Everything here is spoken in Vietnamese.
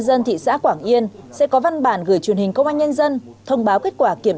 dân thị xã quảng yên sẽ có văn bản gửi truyền hình công an nhân dân thông báo kết quả kiểm